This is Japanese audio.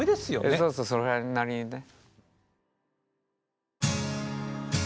そうそうそれなりにね。